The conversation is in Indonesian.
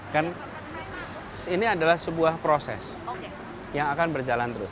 kan ini adalah sebuah proses yang akan berjalan terus